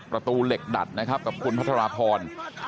ประตูเหล็กดัดนะครับกับคุณพัทรพร